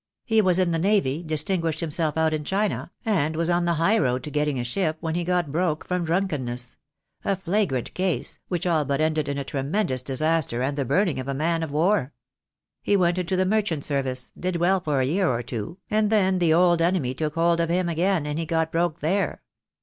"He was in the navy, distinguished himself out in China, and was on the high road to getting a ship when he got broke for drunkenness — a flagrant case, which all but ended in a tremendous disaster and the burning of a man of war. He went into the merchant service — did well for a year or two, and then the old enemy took hold of him again, and he got broke there.